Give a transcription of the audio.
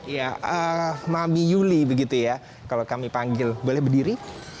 ya mami yuli begitu ya kalau kami panggil boleh berdiri